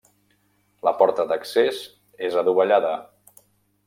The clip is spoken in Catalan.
La porta d'accés és adovellada.